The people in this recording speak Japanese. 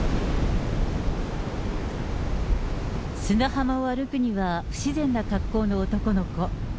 砂浜を歩くには不自然な格好の男の子。